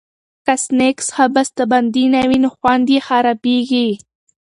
که سنکس ښه بستهبندي نه وي، خوند یې خرابېږي.